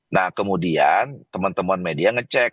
nah kemudian teman teman media ngecek